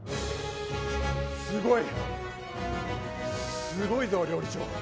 すごいすごいぞ料理長。